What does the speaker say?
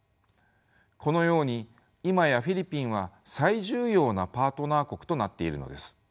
このように今やフィリピンは最重要なパートナー国となっているのです。